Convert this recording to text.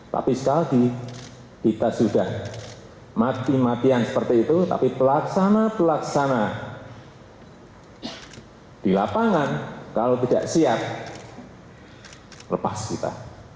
tapi sekali lagi kita sudah mati matian seperti itu tapi pelaksana pelaksana di lapangan kalau tidak siap lepas kita